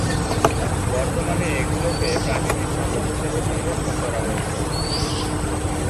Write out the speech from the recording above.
বর্তমানে এগুলোকে প্রাকৃতিক সম্পদ হিসেবে সংরক্ষণ করা হয়েছে।